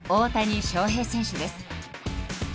野球の大谷翔平選手です。